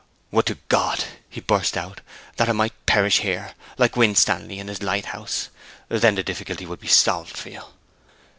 'Would to God,' he burst out, 'that I might perish here, like Winstanley in his lighthouse! Then the difficulty would be solved for you.'